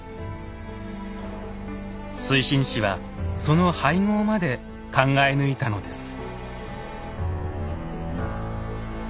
水心子はその配合まで考え抜いたのです。